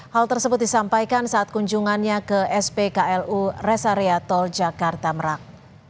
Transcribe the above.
hal tersebut disampaikan saat kunjungannya ke spklu resariatol jakarta merang